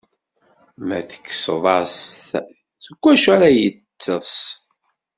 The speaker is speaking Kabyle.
Ma tekkseḍ-as-t, deg wacu ara yeṭṭeṣ?